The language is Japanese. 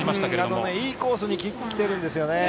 いいコースに来ているんですよね。